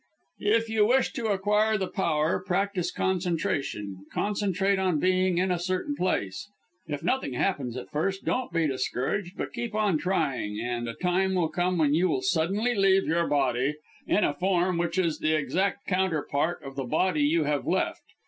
If you wish to acquire the power, practise concentration concentrate on being in a certain place. If nothing happens at first, don't be discouraged, but keep on trying, and a time will come when you will suddenly leave your body, in a form, which is the exact counterpart of the body you have left.